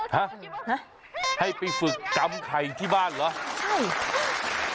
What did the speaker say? ฮะให้ไปฝึกจำไข่ที่บ้านเหรอ